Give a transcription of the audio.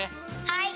はい！